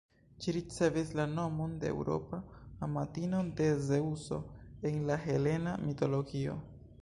Ĝi ricevis la nomon de Eŭropa, amatino de Zeŭso en la helena mitologio.